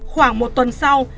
khoảng một tuần sau